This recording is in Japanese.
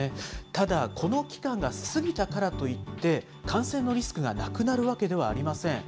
ただ、この期間が過ぎたからといって、感染のリスクがなくなるわけではありません。